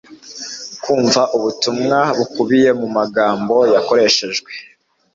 kumva ubutumwa bukubiye mu magambo yakoreshejwe.